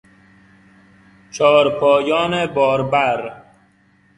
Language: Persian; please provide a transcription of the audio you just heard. چارپایان باربر